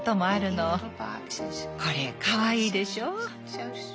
これかわいいでしょう？